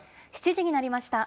７時になりました。